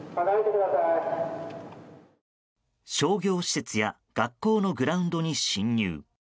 商業施設や学校のグラウンドに侵入。